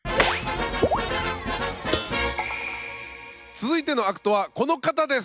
続いてのアクトはこの方です。